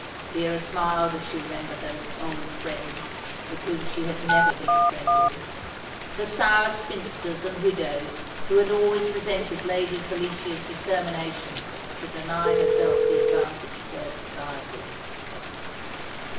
Vera smiled as she remembered those "old friends" with whom she had never been friendly; the sour spinsters and widows who had always resented Lady Felicia's determination to deny herself the advantage of their society.